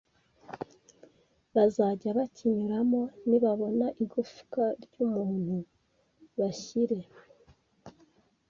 bazajya bakinyuramo nibabona igufwa ry umuntu bashyire